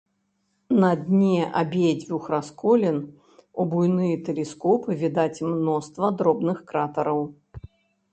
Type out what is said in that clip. На дне абедзвюх расколін у буйныя тэлескопы відаць мноства дробных кратэраў.